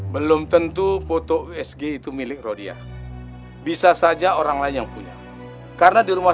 belum tentu foto usg itu milik rodiah bisa saja orang lain yang punya karena di rumah